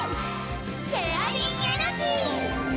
シェアリンエナジー！